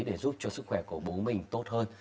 để giúp cho sức khỏe của bố mình tốt hơn